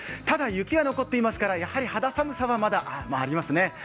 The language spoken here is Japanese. ただ、雪が残っていますからやはり肌寒さはありますね。